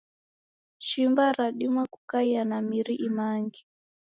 Shimba radima kukaia na miri imange.